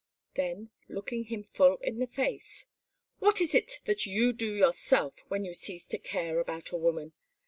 Then, looking him full in the face: "What is it that you do yourself when you cease to care about a woman?